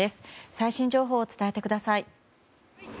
最新情報を伝えてください。